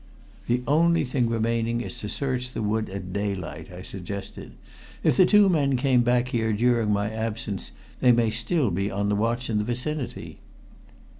"The only thing remaining is to search the wood at daylight," I suggested. "If the two men came back here during my absence they may still be on the watch in the vicinity."